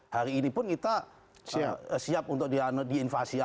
hari ini pun kita siap untuk diinvasi